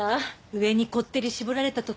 上にこってり絞られたとか？